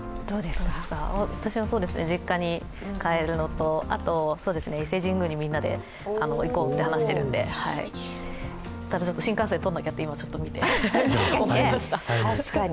私は実家に帰るのとあと、伊勢神宮にみんなで行こうって話してるんでただ、新幹線をとらなきゃって、今みて思いました。